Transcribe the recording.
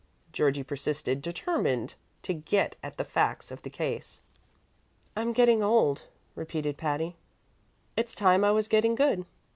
Georgie persisted, determined to get at the facts of the case. "I'm getting old," repeated Patty. "It's time I was getting good.